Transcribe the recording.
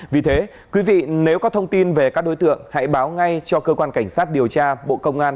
vì thế quý vị nếu có thông tin về các đối tượng hãy báo ngay cho cơ quan cảnh sát điều tra bộ công an